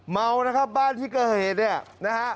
เมาบ้านที่เกิดเหตุ